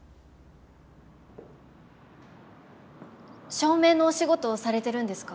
照明のお仕事をされてるんですか？